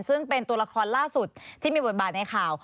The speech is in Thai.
ซึ่งเป็นตัวละครล่าสุดที่มีบทบาทในข่าว